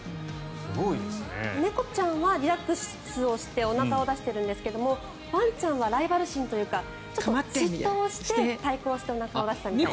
猫ちゃんはリラックスしておなかを出してるんですけどワンちゃんはライバル心というかちょっと嫉妬をして対抗しておなかを出したんじゃないか。